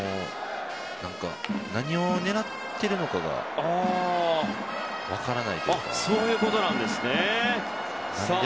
何を狙っているのかが分からないというか。